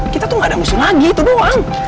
kita tuh gak ada mesin lagi itu doang